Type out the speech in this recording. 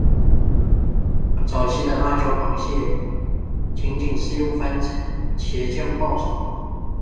早期的辣椒螃蟹仅仅是用番茄酱爆炒。